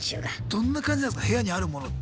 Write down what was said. どんな感じなんすか部屋にあるものって。